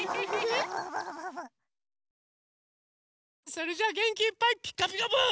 それじゃあげんきいっぱい「ピカピカブ！」